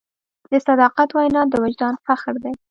د صداقت وینا د وجدان فخر دی.